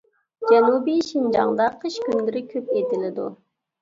جەنۇبىي شىنجاڭدا قىش كۈنلىرى كۆپ ئېتىلىدۇ.